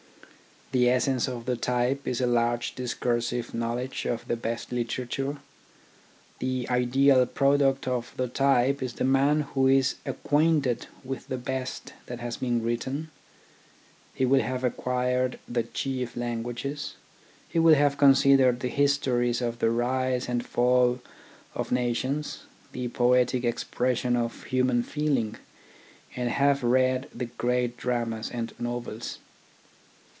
The essence of the type is a large discursive knowledge of the best literature. The ideal pro duct of the type is the man who is acquainted with the best that has been written. He will have acquired the chief languages, he will have considered the histories of the rise and fall ol nations, the poetic expression of human feeling, and have read the great dramas and novels.